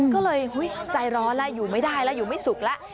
ก็เลยใจร้อนแล้วอยู่ไม่ได้แล้วอยู่ไม่สุขแล้ว